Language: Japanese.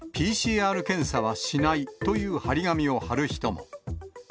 ＰＣＲ検査はしないという貼り紙を貼る人も。